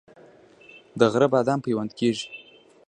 د غره بادام پیوند کیږي؟